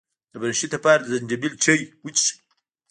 د برونشیت لپاره د زنجبیل چای وڅښئ